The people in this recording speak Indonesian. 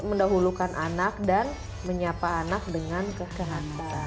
mendahulukan anak dan menyapa anak dengan kesehatan